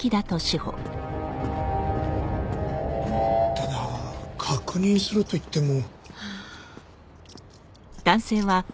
ただ確認するといっても。